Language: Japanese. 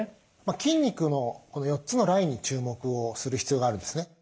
筋肉のこの４つのラインに注目をする必要があるんですね。